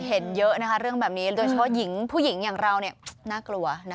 เห็นเยอะนะคะเรื่องแบบนี้โดยเฉพาะหญิงผู้หญิงอย่างเราน่ากลัว